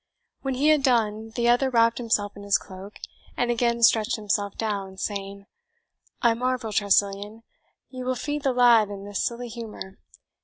When he had done, the other wrapped himself in his cloak, and again stretched himself down, saying, "I marvel, Tressilian, you will feed the lad in this silly humour.